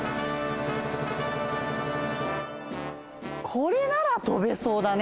これならとべそうだね。